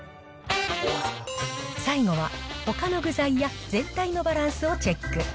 最後はほかの具材や全体のバランスをチェック。